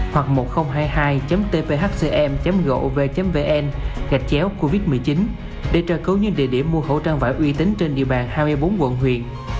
hoặc một nghìn hai mươi hai tphcm gov vn gạch chéo covid một mươi chín để tra cấu những địa điểm mua khẩu trang vải uy tín trên địa bàn hai mươi bốn quận huyền